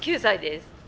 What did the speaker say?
９歳です。